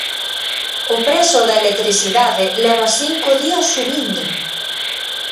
O prezo da electricidade leva cinco días subindo.